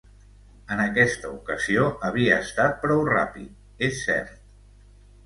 En aquesta ocasió, havia estat prou ràpid, és cert.